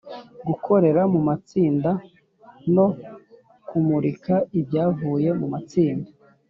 gukorera mu matsinda no kumurika ibyavuye mu matsinda.